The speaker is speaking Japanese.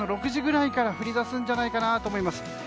６時ぐらいから降りだすんじゃないかと思います。